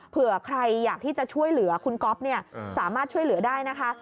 เผื่อใครอยากที่จะช่วยเหลือคุณก๊อฟเนี่ยสามารถช่วยเหลือได้นะคะ